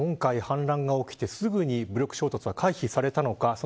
ではなぜ、今回反乱が起きてすぐに武力衝突は回避されたのか。